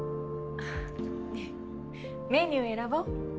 ねえメニュー選ぼ。